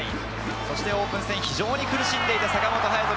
オープン戦、非常に苦しんでいた坂本勇人。